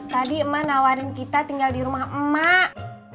tadi emang nawarin kita tinggal di rumah emak